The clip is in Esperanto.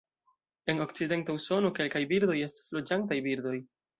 En okcidenta Usono, kelkaj birdoj estas loĝantaj birdoj.